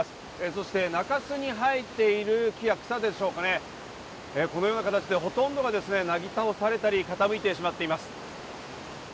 そして中洲に入っている木や草でしょうかね、このような形でほとんどがなぎ倒されたり傾いたりしてしまっています。